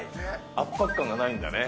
圧迫感がないんだね。